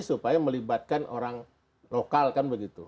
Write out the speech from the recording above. supaya melibatkan orang lokal kan begitu